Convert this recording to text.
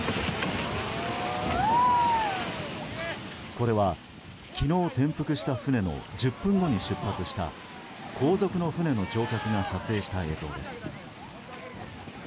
これは昨日、転覆した船の１０分後に出発した後続の船の乗客が撮影した映像です。